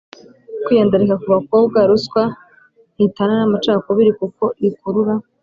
kwiyandarika ku bakobwa. Ruswa ntitana n’amacakubiri kuko ikurura